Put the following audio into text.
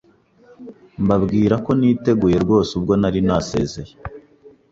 mbabwira ko niteguye rwose ubwo nari nasezeye